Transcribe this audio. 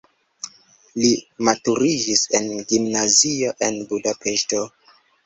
Li maturiĝis en gimnazio en Budapeŝto.